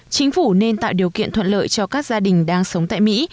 chính phủ nên tạo điều kiện thuận lợi cho các gia đình đang sống tại mỹ